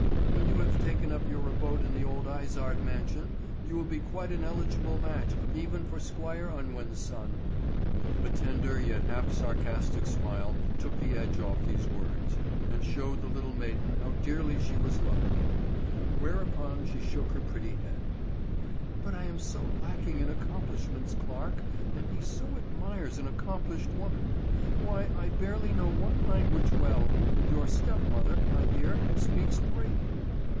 When you have taken up your abode in the old Izard mansion, you will be quite an eligible match even for Squire Unwin's son." A tender, yet half sarcastic smile took the edge off these words, and showed the little maiden how dearly she was loved. Whereupon she shook her pretty head. "But I am so lacking in accomplishments, Clarke, and he so admires an accomplished woman. Why, I barely know one language well, and your stepmother, I hear, speaks three."